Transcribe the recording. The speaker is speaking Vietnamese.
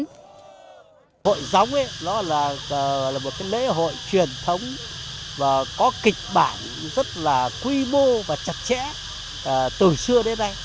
hội gióng ấy nó là một lễ hội truyền thống và có kịch bản rất là quy mô và chặt chẽ từ xưa đến nay